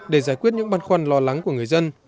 để giải quyết những băn khoăn lo lắng của người dân